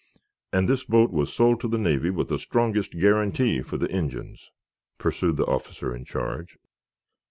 "And this boat was sold to the Navy with the strongest guarantee for the engines," pursued the officer in charge.